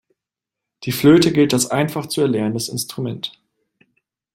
Die Flöte gilt als einfach zu erlernendes Instrument.